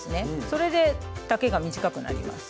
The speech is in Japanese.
それで丈が短くなります。